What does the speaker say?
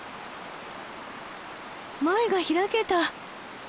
前が開けた。